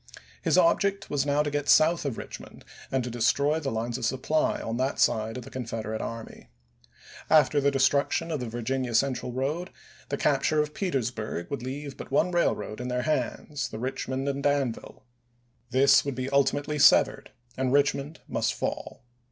His object was now to get south of Richmond and to destroy the lines of supply on that side of the Confederate army. After the destruction of the Virginia Central road, the capture of Petersburg would leave but one rail road in their hands, the Eichmond and Danville ; this would be ultimately severed, and Eichmond must fall.